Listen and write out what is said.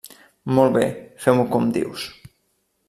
Molt bé, fem-ho com dius.